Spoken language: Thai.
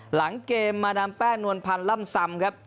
หลังเกมมาดามแป้นวลพันธ์ล่ำซำครับ